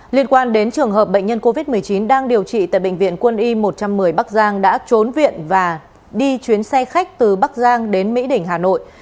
liên quan đến trường hợp bệnh nhân covid một mươi chín đang điều trị tại bệnh viện quân y một trăm một mươi bắc giang đã trốn viện và đi chuyến xe khách từ bắc giang đến mỹ đỉnh hà nội